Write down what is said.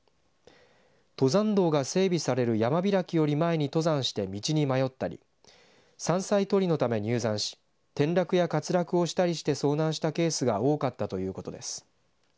登山道が整備される山開きより前に登山して道に迷ったり山菜採りのため入山し転落や滑落をしたりして遭難したケースが多かったということです。